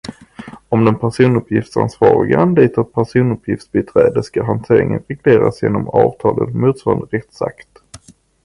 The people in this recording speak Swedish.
Om den personuppgiftsansvarige anlitar ett personuppgiftsbiträde, ska hanteringen regleras genom avtal eller motsvarande rättsakt.